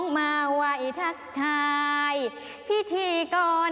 น้ำตาตกโคให้มีโชคเมียรสิเราเคยคบกันเหอะน้ำตาตกโคให้มีโชค